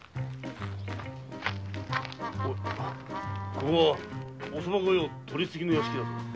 ここは御側御用取次の屋敷だ。